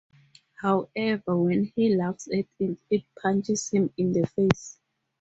However, when he laughs at it, it punches him in the face.